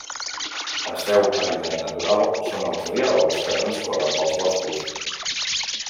El seu hàbitat natural són els rierols que transcorren pels boscos.